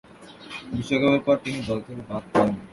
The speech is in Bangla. বিশ্বকাপের পর তিনি দল থেকে বাদ পড়েন।